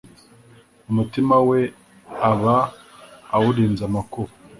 umutima we aba awurinze amakuba